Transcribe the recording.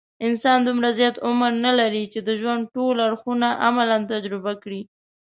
انسان دومره زیات عمر نه لري، چې د ژوند ټول اړخونه عملاً تجربه کړي.